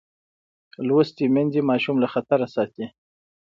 لوستې میندې ماشوم له خطره ساتي.